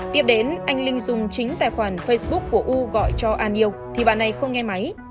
tiếp đến anh linh dùng chính tài khoản facebook của u gọi cho an yêu thì bà này không nghe máy